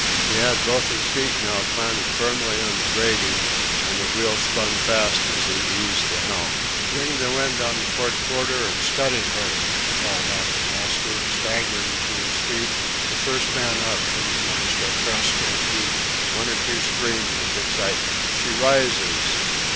He had both his feet now planted firmly on the grating, and the wheel spun fast as he eased the helm. "Bring the wind on the port quarter and steady her!" called out the master, staggering to his feet, the first man up from amongst our prostrate heap. One or two screamed with excitement: "She rises!"